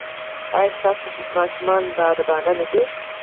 ایا ستاسو ماشومان باادبه نه دي؟